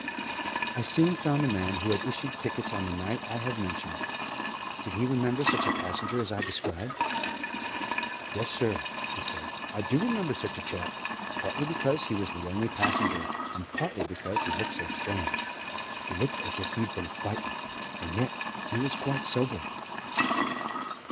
I soon found the man who had issued tickets on the night I have mentioned. Did he remember such a passenger as I described? "Yes, sir," he said, "I do remember such a chap; partly because he was the only passenger, and partly because he looked so strange. He looked as if he'd been fightin', and yet he was quite sober.